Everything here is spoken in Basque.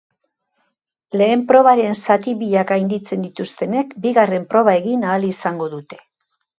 Lehen probaren zati biak gainditzen dituztenek bigarren proba egin ahal izango dute.